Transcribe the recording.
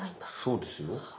そうですよ。